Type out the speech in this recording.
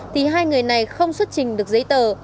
thì hai người này không xuất trình được giấy tờ